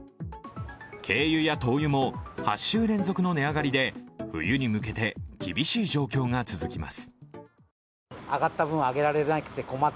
軽油や灯油も８週連続の値上がりで、冬に向けて厳しい状況が続きます。